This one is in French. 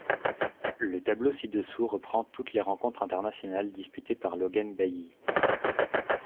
Le tableau ci-dessous reprend toutes les rencontres internationales disputées par Logan Bailly.